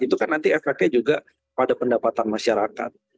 itu kan nanti efeknya juga pada pendapatan masyarakat